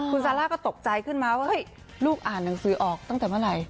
คุณซาร่าก็ตกใจขึ้นมาว่าเฮ้ยลูกอ่านหนังสือออกตั้งแต่เมื่อไหร่